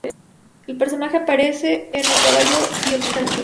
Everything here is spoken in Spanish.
El personaje aparece en "El caballo y el muchacho".